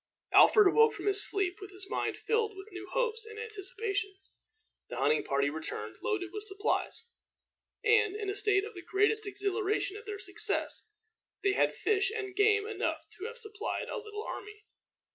Alfred awoke from his sleep with his mind filled with new hopes and anticipations. The hunting party returned loaded with supplies, and in a state of the greatest exhilaration at their success. They had fish and game enough to have supplied a little army.